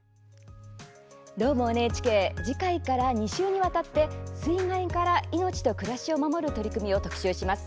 「どーも、ＮＨＫ」次回から２週にわたって「水害から命と暮らしを守る取り組み」を特集します。